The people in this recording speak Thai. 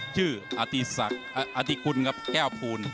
ชื่ออธิกุลแก้วภูล